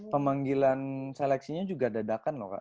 pemanggilan seleksinya juga dadakan loh kak